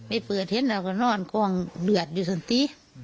เปิดเห็นเราก็นอนกองเดือดอยู่สนติ